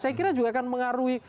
saya kira juga akan mengaruhi